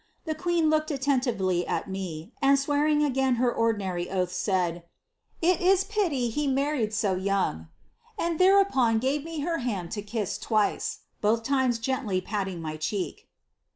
The qaeM looked attentively at me, and swearing again her ordinary oath, said, 'I is pity he married so young,' and thereupon gave me her band lo kia twice, both limes gently patting my cheek."